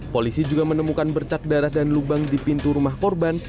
polisi juga menemukan bercak darah dan lubang di pintu rumah korban